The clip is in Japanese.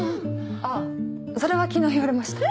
あそれは昨日言われました。